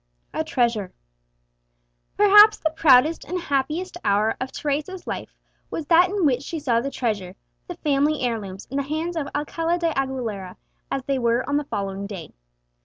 A TREASURE. Perhaps the proudest and happiest hour of Teresa's life was that in which she saw the treasure, the family heirlooms, in the hands of Alcala de Aguilera, as they were on the following day.